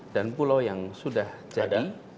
dan pulau yang sudah jadi